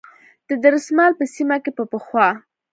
د درمسال په سیمه کې به پخوا